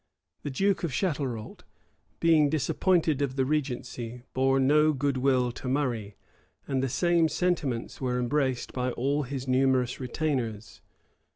The duke of Chatelrault, being disappointed of the regency, bore no good will to Murray; and the same sentiments were embraced by all his numerous retainers.